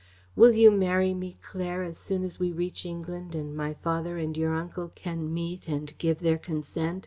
Will you marry me, Claire, as soon as we reach England, and my father and your uncle can meet and give their consent?